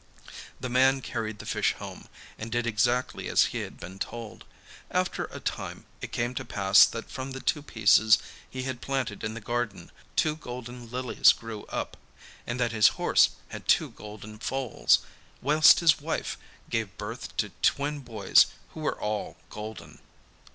The man carried the fish home, and did exactly as he had been told. After a time, it came to pass that from the two pieces he had planted in the garden two golden lilies grew up, and that his horse had two golden foals, whilst his wife gave birth to twin boys who were all golden.